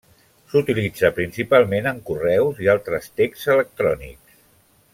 S'utilitza principalment en correus i altres texts electrònics.